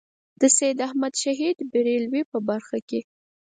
د سید احمد شهید برېلوي په برخه کې.